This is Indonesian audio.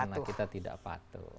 karena kita tidak patuh